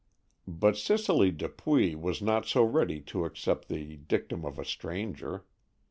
But Cicely Dupuy was not so ready to accept the dictum of a stranger.